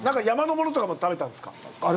山のものとかも食べたんですか。